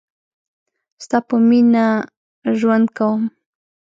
ستا په میینه ژوند کوم